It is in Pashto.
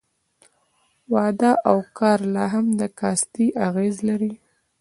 واده او کار لا هم د کاستي اغېز لري.